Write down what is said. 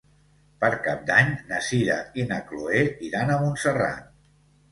Per Cap d'Any na Sira i na Chloé iran a Montserrat.